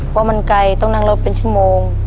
เพราะมันไกลต้องนั่งรถเป็นชั่วโมง